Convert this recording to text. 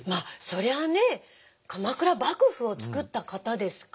そりゃあね鎌倉幕府を作った方ですからね。